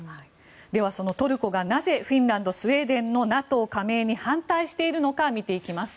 では、そのトルコがなぜフィンランドスウェーデンのＮＡＴＯ加盟に反対しているのか見ていきます。